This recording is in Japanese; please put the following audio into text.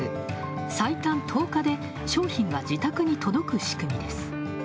最短１０日で商品が自宅に届く仕組みです。